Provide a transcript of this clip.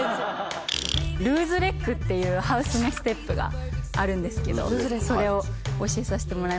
ルーズレッグっていうハウスのステップがあるんですけどそれを教えさせてもらいます。